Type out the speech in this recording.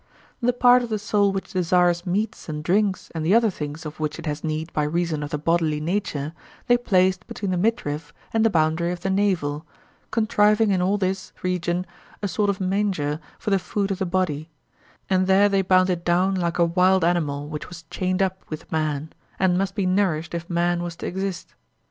The part of the soul which desires meats and drinks and the other things of which it has need by reason of the bodily nature, they placed between the midriff and the boundary of the navel, contriving in all this region a sort of manger for the food of the body; and there they bound it down like a wild animal which was chained up with man, and must be nourished if man was to exist.